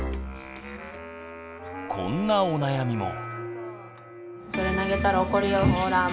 こんなお悩みも。